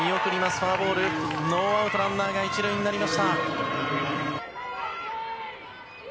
フォアボール、ノーアウトランナーが１塁になりました。